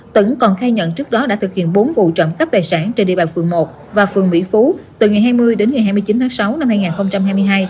tấn còn khai nhận trước đó đã thực hiện bốn vụ trộm cắp tài sản trên địa bàn phường một và phường mỹ phú từ ngày hai mươi đến ngày hai mươi chín tháng sáu năm hai nghìn hai mươi hai